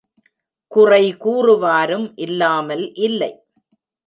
குறை கூறுவாரும் இல்லாமல் இல்லை.